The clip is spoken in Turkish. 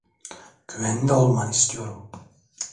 Güvende olmanı istiyorum.